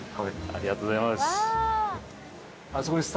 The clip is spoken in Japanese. ありがとうございます。